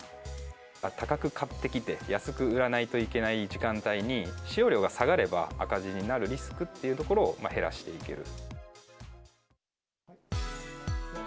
高く買ってきて、安く売らないといけない時間帯に、使用量が下がれば、赤字になるリスクというところを減らしていける。